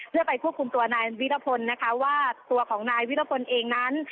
เพื่อไปควบคุมตัวนายวิรพลนะคะว่าตัวของนายวิรพลเองนั้น